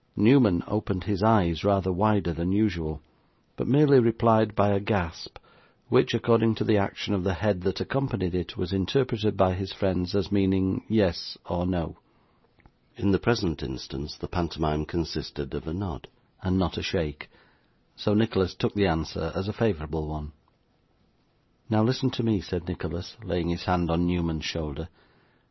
Newman opened his eyes rather wider than usual, but merely replied by a gasp, which, according to the action of the head that accompanied it, was interpreted by his friends as meaning yes or no. In the present instance, the pantomime consisted of a nod, and not a shake; so Nicholas took the answer as a favourable one. 'Now listen to me,' said Nicholas, laying his hand on Newman's shoulder.